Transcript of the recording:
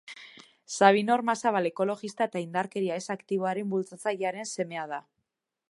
Sabino Ormazabal ekologista eta indarkeria-ez aktiboaren bultzatzailearen semea da.